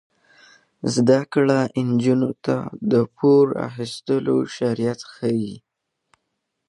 زده کړه نجونو ته د پور اخیستلو شرایط ښيي.